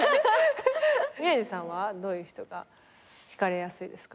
宮司さんはどういう人が引かれやすいですか？